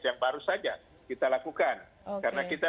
yang baru saja kita lakukan karena kita